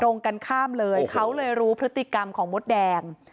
ตรงกันข้ามเลยเขาเลยรู้พฤติกรรมของมดแดง